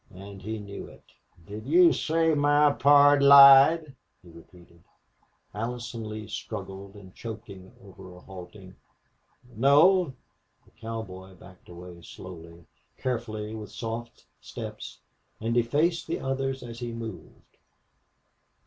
And he knew it. "Did you say my pard lied?" he repeated. Allison Lee struggled and choked over a halting, "No." The cowboy backed away, slowly, carefully, with soft steps, and he faced the others as he moved.